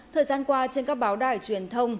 thời gian qua trên các báo đài truyền thông